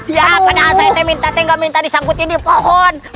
ya padahal saya minta tidak minta disangkut di pohon